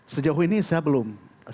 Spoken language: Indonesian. sejauh ini saya belum